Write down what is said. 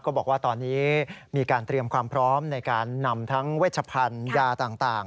บอกว่าตอนนี้มีการเตรียมความพร้อมในการนำทั้งเวชพันธุ์ยาต่าง